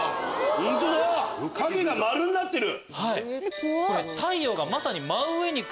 本当だ影が丸になってる！